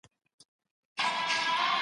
د اسلام په احکامو کي زموږ سوکالي ده.